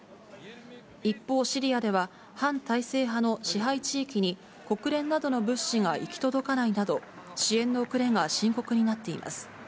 一方、シリアでは、反体制派の支配地域に、国連などの物資が行き届かないなど、支援の遅れが深刻になっています。